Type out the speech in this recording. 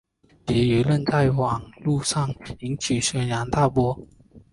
其言论在网路上引起轩然大波。